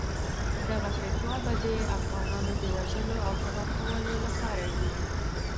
دغه فتوا به د افغانانو د وژلو او تباه کولو لپاره وي.